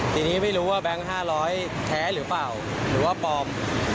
ทีนี้ไม่รู้ว่าแบงค์๕๐๐แท้หรือเปล่าหรือว่าปลอม